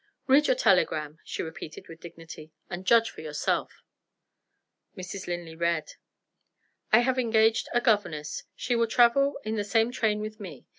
"Read your telegram," she repeated with dignity, "and judge for yourself." Mrs. Linley read: "I have engaged a governess. She will travel in the same train with me.